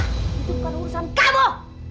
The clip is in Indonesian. itu bukan urusan kamu